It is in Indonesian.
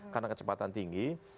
karena kecepatan tinggi